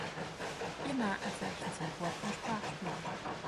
Ihr Markenzeichen sind Wort- und Sprachspiele.